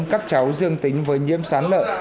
các cháu dương tính với nhiễm sán lợn